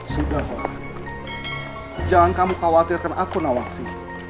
sudahlah jangan kamu khawatirkan aku nawangsi